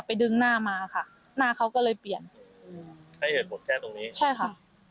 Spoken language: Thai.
ดึงหน้ามาค่ะหน้าเขาก็เลยเปลี่ยนอืมให้เหตุผลแค่ตรงนี้ใช่ค่ะ